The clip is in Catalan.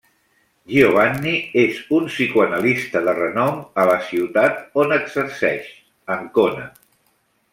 Giovanni és un psicoanalista de renom a la ciutat on exerceix, Ancona.